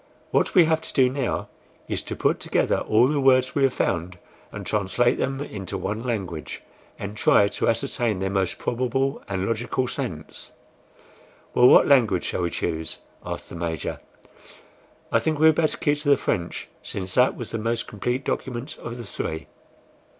What we have to do now is to put together all the words we have found, and translate them into one language, and try to ascertain their most probable and logical sense." "Well, what language shall we choose?" asked the Major. "I think we had better keep to the French, since that was the most complete document of the three."